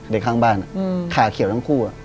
ข้างบ้านขาเขียวทั้งคู่